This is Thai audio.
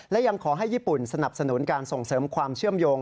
และยังขอให้ญี่ปุ่นสนับสนุนการส่งเสริมความเชื่อมโยง